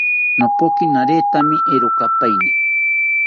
Nopokaki naretemi erokapaeni